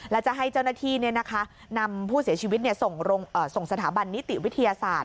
และจะให้เจ้าหน้าที่นำผู้เสียชีวิตส่งสถาบันนิติวิทยาศาสตร์